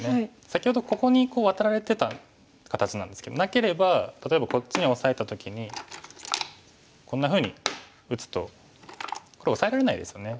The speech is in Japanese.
先ほどここにワタられてた形なんですけどなければ例えばこっちにオサえた時にこんなふうに打つと黒オサえられないですよね。